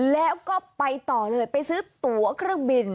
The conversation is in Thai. แล้วก็ไปต่อเลยไปซื้อตัวเครื่องบิน